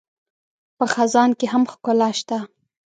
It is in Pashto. په خزان کې هم ښکلا شته